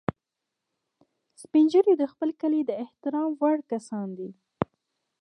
سپین ږیری د خپل کلي د احترام وړ کسان دي